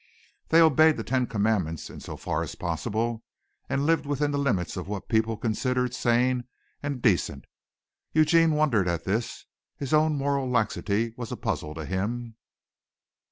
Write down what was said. They obeyed the ten commandments in so far as possible and lived within the limits of what people considered sane and decent. Eugene wondered at this. His own moral laxity was a puzzle to him.